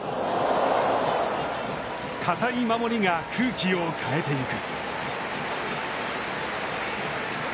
堅い守りが空気を変えていく。